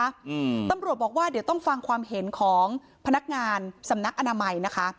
อืมตำรวจบอกว่าเดี๋ยวต้องฟังความเห็นของพนักงานสำนักอนามัยนะคะ